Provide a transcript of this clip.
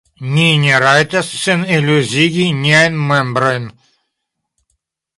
Ni ne rajtas seniluziigi niajn membrojn!